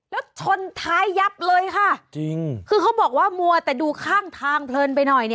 แล้วชนท้ายยับเลยค่ะจริงคือเขาบอกว่ามัวแต่ดูข้างทางเพลินไปหน่อยเนี่ย